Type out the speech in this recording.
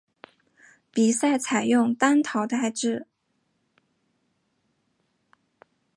比赛采用单淘汰制。